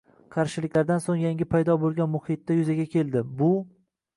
qarshiliklardan so‘ng yangi paydo bo‘lgan muhitda yuzaga keldi: bu